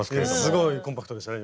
すごいコンパクトでしたね